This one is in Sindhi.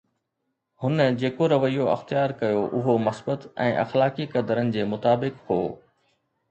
هن جيڪو رويو اختيار ڪيو اهو مثبت ۽ اخلاقي قدرن جي مطابق هو.